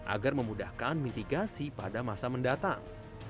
agar memudahkan mitigasi pada masa mendatang